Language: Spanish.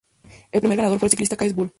El primer ganador fue el ciclista Cees Bol.